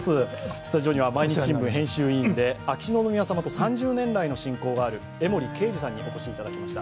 スタジオには「毎日新聞」編集委員で秋篠宮さまと３０年来の進行がある江森敬治さんにお越しいただきました。